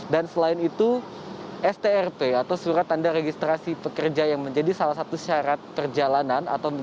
dan selain itu strp atau surat tanda registrasi pekerja yang menjadi salah satu syarat perjalanan